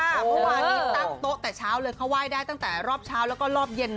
เมื่อวานนี้ตั้งโต๊ะแต่เช้าเลยเขาไหว้ได้ตั้งแต่รอบเช้าแล้วก็รอบเย็น